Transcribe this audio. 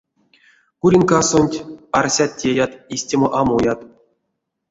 Куринкасонть, арсят-теят, истямо а муят.